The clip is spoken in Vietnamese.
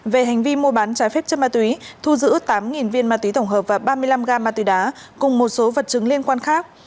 về hành vi mua bán trái phép chất ma túy thu giữ tám viên ma túy tổng hợp và ba mươi năm gam ma túy đá cùng một số vật chứng liên quan khác